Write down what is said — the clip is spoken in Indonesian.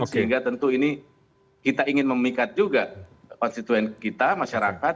sehingga tentu ini kita ingin memikat juga konstituen kita masyarakat